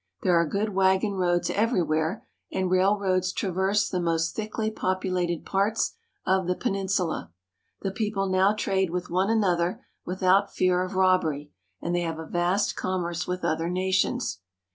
There are good wagon roads everywhere, and railroads traverse the most thickly populated parts of the peninsula. The people now trade with one another without fear of robbery, and they have a vast commerce with other nations.